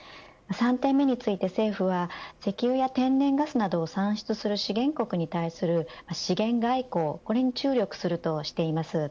３点目について政府は石油や天然ガスなどを産出する資源国に対する資源外交これに注力するとしています。